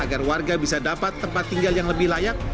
agar warga bisa dapat tempat tinggal yang lebih layak